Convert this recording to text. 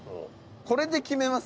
これで決めます？